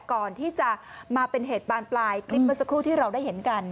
ก่อนที่จะมาเป็นเหตุบานปลายคลิปเมื่อสักครู่ที่เราได้เห็นกัน